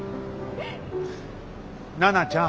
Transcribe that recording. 奈々ちゃん。